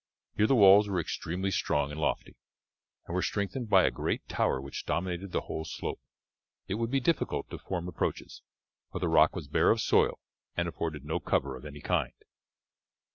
Here the walls were extremely strong and lofty, and were strengthened by a great tower which dominated the whole slope. It would be difficult to form approaches, for the rock was bare of soil and afforded no cover of any kind.